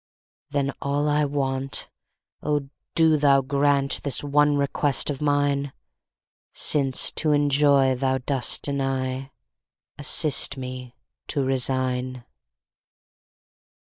Then all I want—O do Thou grantThis one request of mine!—Since to enjoy Thou dost deny, Assist me to resign.